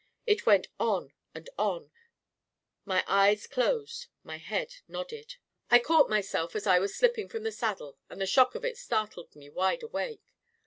It went on and on; my eyes closed; my head nodded •.. I caught myself as I was slipping from the saddle and the shock of it startled me wide awake.